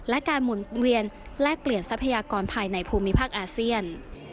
และการหมุนเวียนแลกเปลี่ยนทรัพยากรภายในภูมิภาคอาเซียน